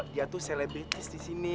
dia tuh selebritis disini